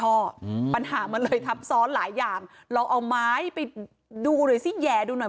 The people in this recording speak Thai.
อืมปัญหามันเลยทับซ้อนหลายอย่างเราเอาไม้ไปดูหน่อยซิแหย่ดูหน่อย